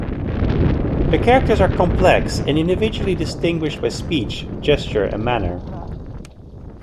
The characters are complex and individually distinguished by speech, gesture, and manner.